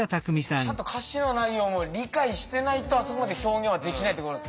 ちゃんと歌詞の内容も理解してないとあそこまで表現はできないってことですもんね。